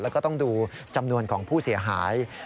แล้วก็ต้องดูจำนวนของผู้เสียหาย